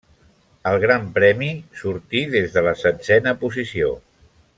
Al Gran Premi sortí des de la setzena posició.